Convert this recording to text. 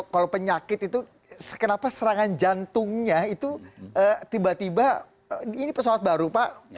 kalau penyakit itu kenapa serangan jantungnya itu tiba tiba ini pesawat baru pak